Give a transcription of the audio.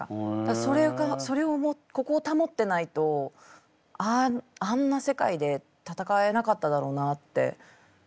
それがここを保ってないとあんな世界でたたかえなかっただろうなって思いますね。